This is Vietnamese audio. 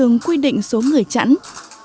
không quy định cụ thể số người tham gia